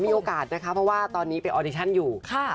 มีโอกาสนะคะเพราะว่าตอนนี้ไปออดิชั่นอยู่